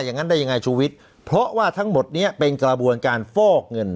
อย่างนั้นได้ยังไงชูวิทย์เพราะว่าทั้งหมดนี้เป็นกระบวนการฟอกเงิน